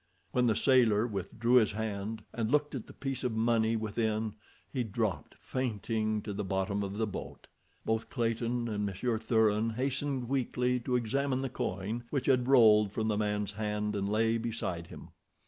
When the sailor withdrew his hand and looked at the piece of money within, he dropped fainting to the bottom of the boat. Both Clayton and Monsieur Thuran hastened weakly to examine the coin, which had rolled from the man's hand and lay beside him.